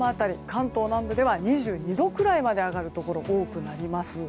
関東南部では２２度くらいまで上がるところが多くなります。